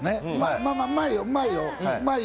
まあまあ、うまいよ、うまいよ。